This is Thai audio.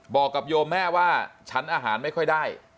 บอกกับโยมแม่ว่าฉันอาหารไม่ค่อยได้